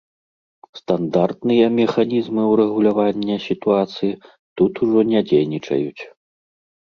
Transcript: Стандартныя механізмы ўрэгулявання сітуацыі тут ужо не дзейнічаюць.